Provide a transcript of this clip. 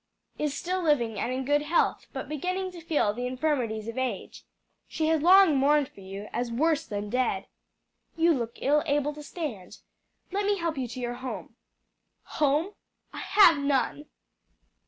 "Is still living and in good health, but beginning to feel the infirmities of age. She has long mourned for you as worse than dead. You look ill able to stand; let me help you to your home." "Home? I have none."